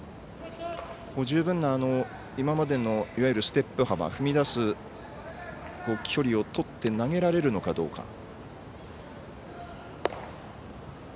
十分な、今までのいわゆるステップ幅踏み出す距離をとって投げられるのかどうか。